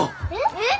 えっ！？